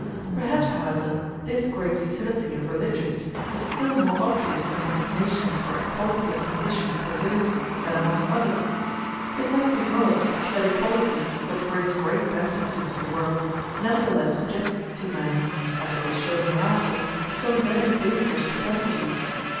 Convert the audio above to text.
Perhaps, however, this great utility of religions is still more obvious amongst nations where equality of conditions prevails than amongst others. It must be acknowledged that equality, which brings great benefits into the world, nevertheless suggests to men (as will be shown hereafter) some very dangerous propensities.